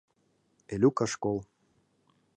Элюк ыш кол.